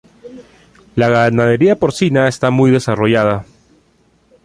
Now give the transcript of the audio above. La ganadería porcina está muy desarrollada.